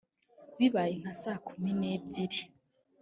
bibaye nka saa kumi n’ebyiri